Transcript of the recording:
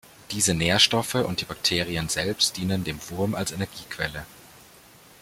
Diese Nährstoffe und die Bakterien selbst dienen dem Wurm als Energiequelle.